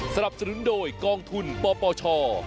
โปรดติดตามตอนต่อไป